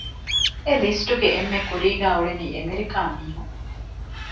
އެ ލިސްޓްގެ އެންމެ ކުރީގައި އުޅެނީ އެމެރިކާ މީހުން